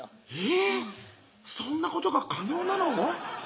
えぇっそんなことが可能なの？